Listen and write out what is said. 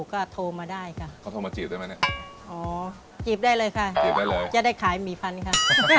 อ๋อจีบได้เลยค่ะจีบได้เลยจะได้ขายหมี่พันธุ์ค่ะ